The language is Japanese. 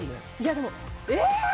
でも、えー！